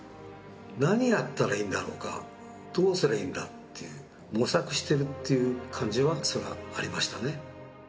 何やったらいいんだろうか、どうすりゃいいんだっていう、模索してるっていう感じは、それはありましたね。